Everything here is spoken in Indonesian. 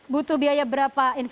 butuh biaya berapa investasi berapa